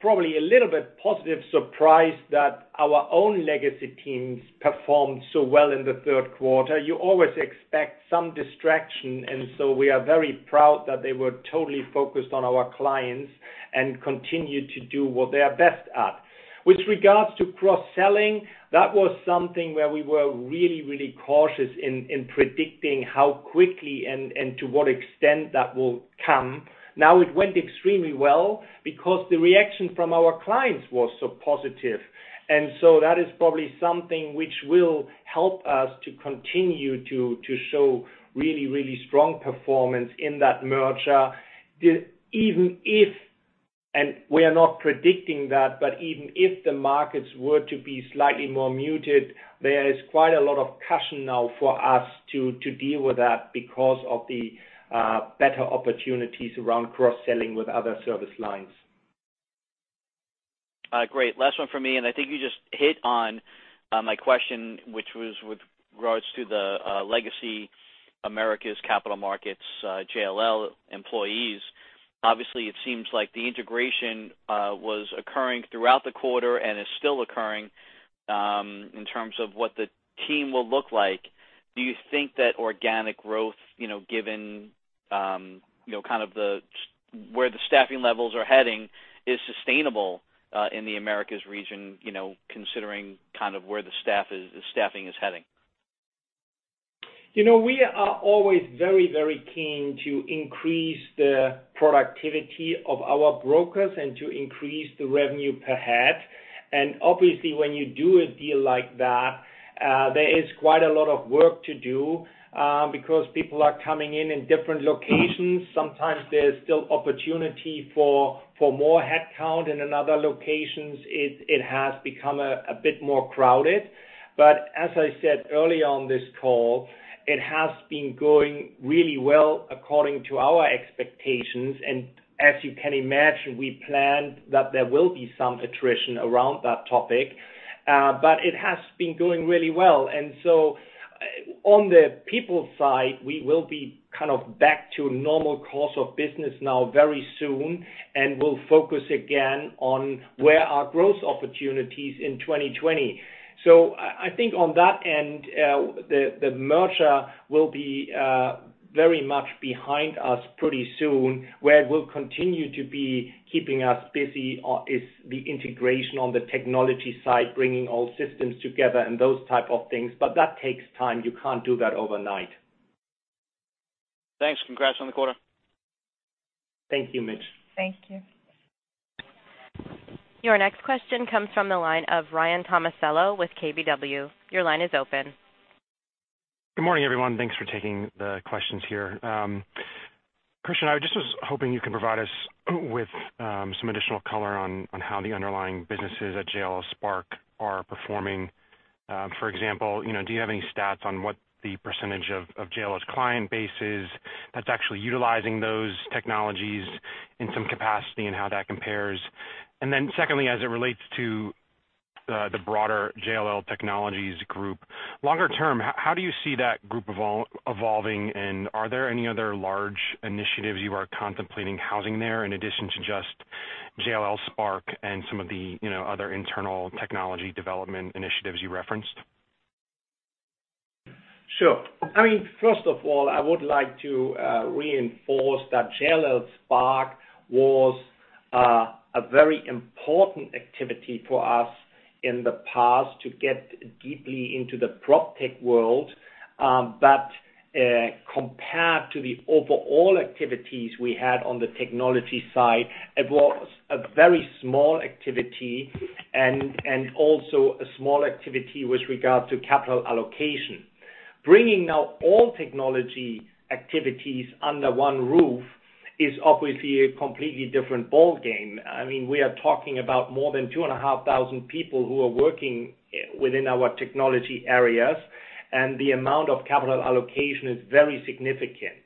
probably a little bit positive surprised that our own legacy teams performed so well in the third quarter. You always expect some distraction, and so we are very proud that they were totally focused on our clients and continued to do what they are best at. With regards to cross-selling, that was something where we were really cautious in predicting how quickly and to what extent that will come. Now it went extremely well because the reaction from our clients was so positive. That is probably something which will help us to continue to show really strong performance in that merger. Even if, and we are not predicting that, but even if the markets were to be slightly more muted, there is quite a lot of cushion now for us to deal with that because of the better opportunities around cross-selling with other service lines. Great. Last one from me, and I think you just hit on my question, which was with regards to the legacy Americas capital markets JLL employees. Obviously, it seems like the integration was occurring throughout the quarter and is still occurring in terms of what the team will look like. Do you think that organic growth, given where the staffing levels are heading, is sustainable in the Americas region considering where the staffing is heading? We are always very keen to increase the productivity of our brokers and to increase the revenue per head. Obviously, when you do a deal like that, there is quite a lot of work to do because people are coming in different locations. Sometimes there is still opportunity for more headcount in another locations. It has become a bit more crowded. As I said early on this call, it has been going really well according to our expectations. As you can imagine, we planned that there will be some attrition around that topic. It has been going really well. On the people side, we will be back to normal course of business now very soon, and we will focus again on where are growth opportunities in 2020. I think on that end, the merger will be very much behind us pretty soon. Where it will continue to be keeping us busy is the integration on the technology side, bringing all systems together and those type of things. That takes time. You can't do that overnight. Thanks. Congrats on the quarter. Thank you, Mitch. Thank you. Your next question comes from the line of Ryan Tomasello with KBW. Your line is open. Good morning, everyone. Thanks for taking the questions here. Christian, I just was hoping you can provide us with some additional color on how the underlying businesses at JLL Spark are performing. For example, do you have any stats on what the percentage of JLL's client base is that's actually utilizing those technologies in some capacity, and how that compares? Secondly, as it relates to the broader JLL Technologies group, longer term, how do you see that group evolving, and are there any other large initiatives you are contemplating housing there in addition to just JLL Spark and some of the other internal technology development initiatives you referenced? Sure. First of all, I would like to reinforce that JLL Spark was a very important activity for us in the past to get deeply into the proptech world. Compared to the overall activities we had on the technology side, it was a very small activity and also a small activity with regard to capital allocation. Bringing now all technology activities under one roof is obviously a completely different ballgame. We are talking about more than 2,500 people who are working within our technology areas, and the amount of capital allocation is very significant.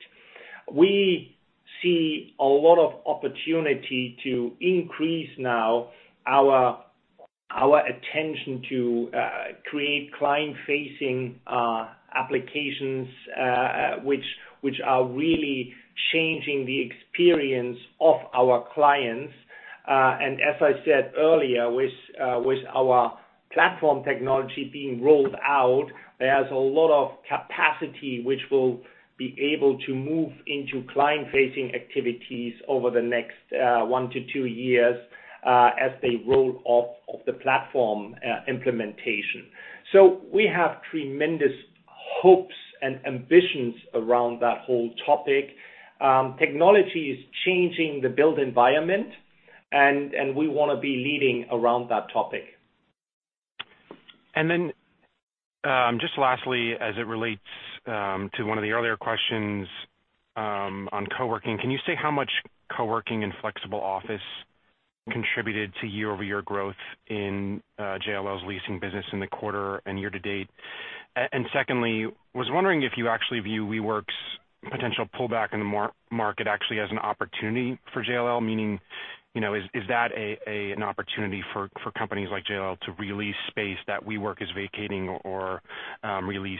We see a lot of opportunity to increase now our attention to create client-facing applications which are really changing the experience of our clients. As I said earlier, with our platform technology being rolled out, there's a lot of capacity which will be able to move into client-facing activities over the next one to two years as they roll off of the platform implementation. We have tremendous hopes and ambitions around that whole topic. Technology is changing the built environment, we want to be leading around that topic. Just lastly, as it relates to one of the earlier questions on co-working, can you say how much co-working and flexible office contributed to year-over-year growth in JLL's leasing business in the quarter and year to date? Secondly, was wondering if you actually view WeWork's potential pullback in the market actually as an opportunity for JLL. Meaning, is that an opportunity for companies like JLL to release space that WeWork is vacating or release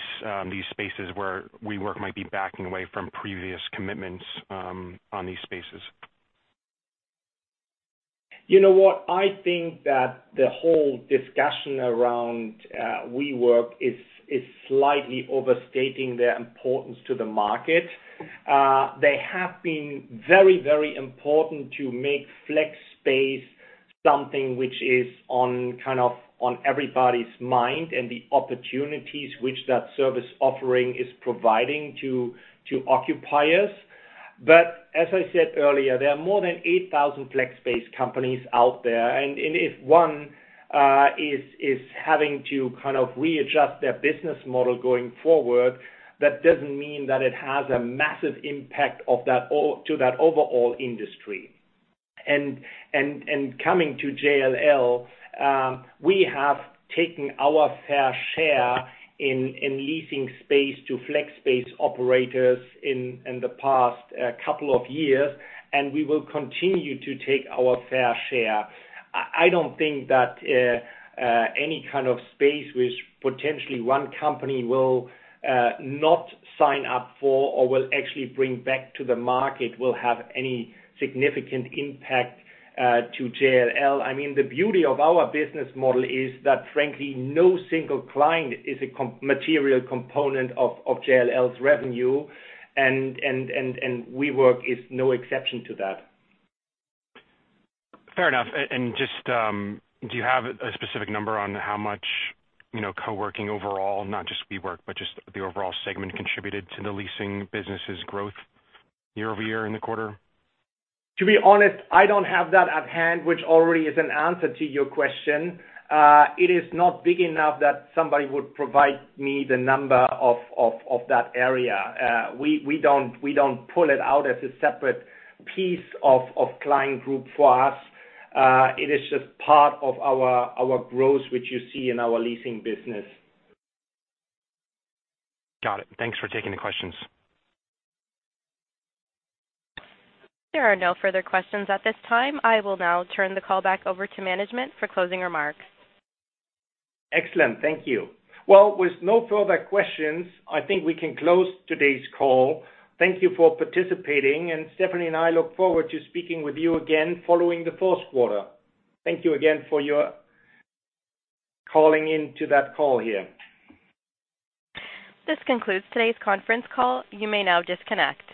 these spaces where WeWork might be backing away from previous commitments on these spaces? You know what? I think that the whole discussion around WeWork is slightly overstating their importance to the market. They have been very important to make flex space something which is on everybody's mind and the opportunities which that service offering is providing to occupiers. As I said earlier, there are more than 8,000 flex space companies out there. If one is having to readjust their business model going forward, that doesn't mean that it has a massive impact to that overall industry. Coming to JLL, we have taken our fair share in leasing space to flex space operators in the past couple of years, and we will continue to take our fair share. I don't think that any kind of space which potentially one company will not sign up for or will actually bring back to the market will have any significant impact to JLL. The beauty of our business model is that, frankly, no single client is a material component of JLL's revenue, and WeWork is no exception to that. Fair enough. Just, do you have a specific number on how much co-working overall, not just WeWork, but just the overall segment, contributed to the leasing business' growth year-over-year in the quarter? To be honest, I don't have that at hand, which already is an answer to your question. It is not big enough that somebody would provide me the number of that area. We don't pull it out as a separate piece of client group for us. It is just part of our growth, which you see in our leasing business. Got it. Thanks for taking the questions. There are no further questions at this time. I will now turn the call back over to management for closing remarks. Excellent. Thank you. Well, with no further questions, I think we can close today's call. Thank you for participating, and Stephanie and I look forward to speaking with you again following the fourth quarter. Thank you again for your calling in to that call here. This concludes today's conference call. You may now disconnect.